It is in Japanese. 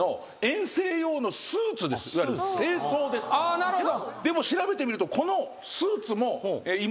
なるほど。